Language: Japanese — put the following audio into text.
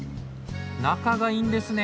仲がいいんですね。